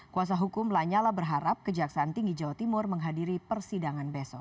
kuasa hukum lanyala berharap kejaksaan tinggi jawa timur menghadiri persidangan besok